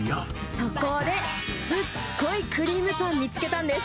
そこで、すっごいクリームパン見つけたんです。